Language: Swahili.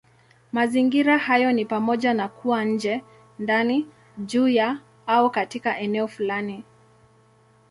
Mazingira hayo ni pamoja na kuwa nje, ndani, juu ya, au katika eneo fulani.